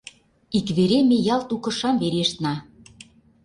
Ик вере ме ялт у кышам верештна.